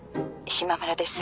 島村です。